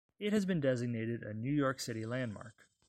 It has been designated a New York City landmark.